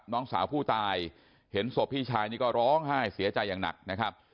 น้องสาวผู้ตายเห็นศพพี่ชายนี่ก็ร้องไห้เสียใจอย่างหนักนะครับ